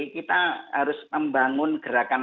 kita harus membangun gerakan